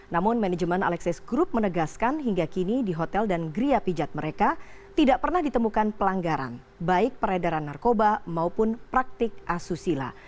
namun manajemen alexis group menegaskan hingga kini di hotel dan geria pijat mereka tidak pernah ditemukan pelanggaran baik peredaran narkoba maupun praktik asusila